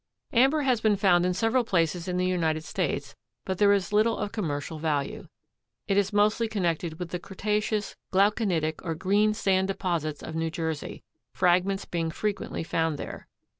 Amber has been found in several places in the United States, but there is little of commercial value. It is mostly connected with the Cretaceous glauconitic or green sand deposits of New Jersey, fragments being frequently found there.